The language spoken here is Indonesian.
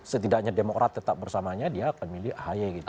setidaknya demokrat tetap bersamanya dia akan milih ahy gitu